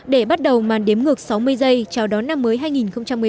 để bắt đầu màn đếm ngược sáu mươi giây chào đón năm mới hai nghìn một mươi bốn